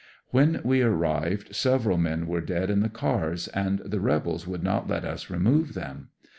When we arrived several men were dead in the cars, and the rebels would not let us remove them.